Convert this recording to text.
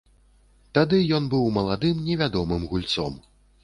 Тады ён быў маладым невядомым гульцом.